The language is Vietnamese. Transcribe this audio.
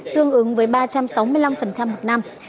tương ứng với ba trăm sáu mươi năm một năm